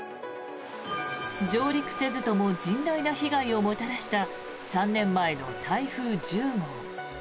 上陸せずとも甚大な被害をもたらした３年前の台風１０号。